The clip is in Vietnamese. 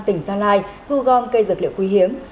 tỉnh gia lai thu gom cây dược liệu quý hiếm